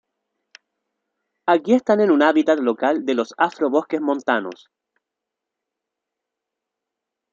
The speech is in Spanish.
Aquí están en un hábitat local de los afro-bosques montanos.